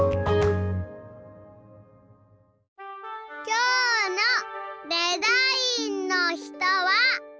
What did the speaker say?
きょうの「デザインの人」は。